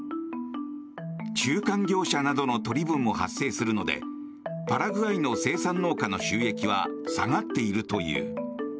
中間業者などの取り分も発生するのでパラグアイの生産農家の収益は下がっているという。